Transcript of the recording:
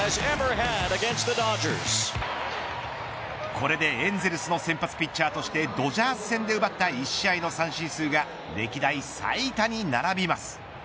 これで、エンゼルスの先発ピッチャーとしてドジャース戦で奪った１試合の三振数が歴代最多に並びます。